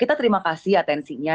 kita terima kasih atensinya